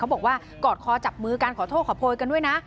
บอกว่ากอดคอจับมือกันขอโทษขอโพยกันด้วยนะ